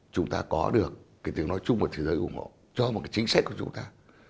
chúng ta có được cái tiếng nói chung của thế giới ủng hộ cho một cái chính sách của chúng ta